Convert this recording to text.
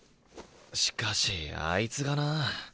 しかしあいつがなあ。